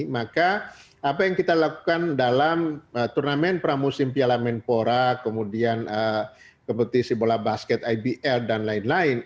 maka apa yang kita lakukan dalam turnamen pramusim piala menpora kemudian kompetisi bola basket ibl dan lain lain